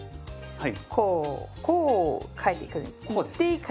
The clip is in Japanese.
はい。